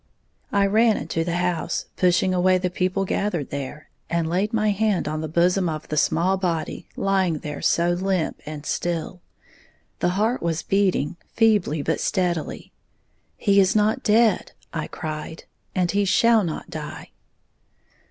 I ran into the house, pushing away the people gathered there, and laid my hand on the bosom of the small body lying there so limp and still. The heart was beating, feebly but steadily, "He is not dead!" I cried, "and he shall not die!"